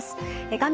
画面